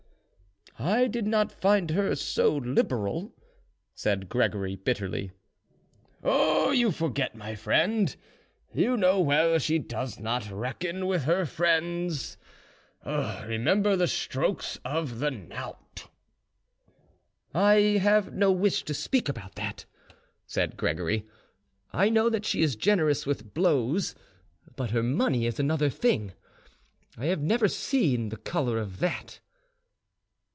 "I did not find her so liberal," said Gregory bitterly. "Oh, you forget, my friend; you know well she does not reckon with her friends: remember the strokes of the knout." "I have no wish to speak about that," said Gregory. "I know that she is generous with blows, but her money is another thing. I have never seen the colour of that."